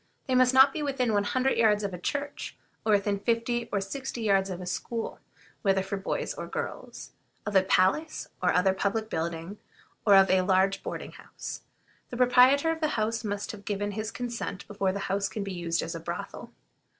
They must not be within one hundred yards of a church, or within fifty or sixty yards of a school, whether for boys or girls; of a palace or other public building, or of a large boarding house. The proprietor of the house must have given his consent before the house can be used as a brothel.